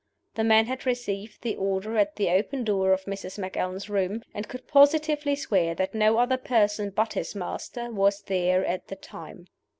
The man had received the order at the open door of Mrs. Macallan's room, and could positively swear that no other person but his master was there at the time.